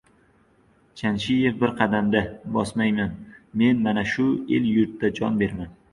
— Chanishev! Bir qadam-da bosmayman! Men mana shu el-yurtda jon beraman!